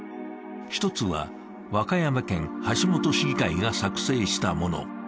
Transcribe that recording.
１つは、和歌山県橋本市議会が作成したもの。